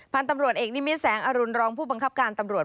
พันธุ์ตำรวจเอกนิมิตแสงอรุณรองผู้บังคับการตำรวจ